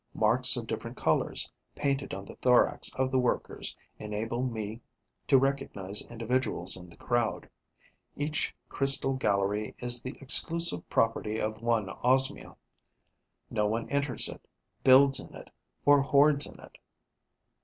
Marks of different colours painted on the thorax of the workers enable me to recognize individuals in the crowd. Each crystal gallery is the exclusive property of one Osmia; no other enters it, builds in it or hoards in it.